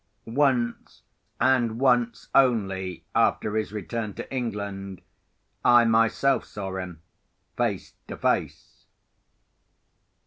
Once, and once only, after his return to England, I myself saw him, face to face.